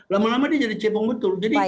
lama lama dia jadi cepung betul